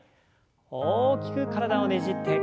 大きく体をねじって。